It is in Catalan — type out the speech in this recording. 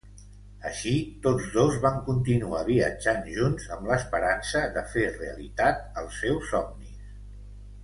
Així, tots dos van continuar viatjant junts amb l'esperança de fer realitat els seus somnis.